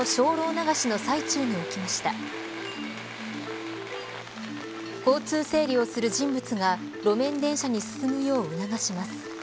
交通整理をする人物が路面電車に進むよう促します。